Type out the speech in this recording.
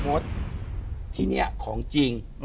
มดที่นี่ของจริง